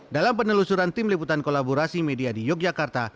dalam penelusuran tim liputan kolaborasi media di yogyakarta